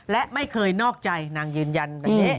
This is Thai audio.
และไม่เคยนอกใจนางยืนยัน